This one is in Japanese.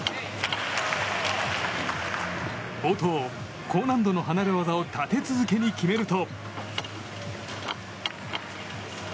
冒頭、高難度の離れ技を立て続けに決めると。